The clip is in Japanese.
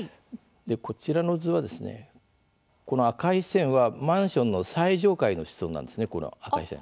こちらの図は、この赤い線はマンションの最上階の室温なんですね、この赤い線。